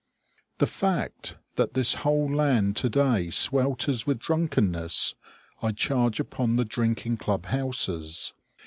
The fact that this whole land to day swelters with drunkenness I charge upon the drinking club houses.